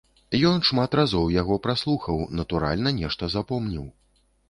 Ён шмат разоў яго праслухаў, натуральна, нешта запомніў.